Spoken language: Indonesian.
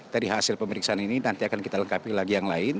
dari hasil pemeriksaan ini nanti akan kita lengkapi lagi yang lain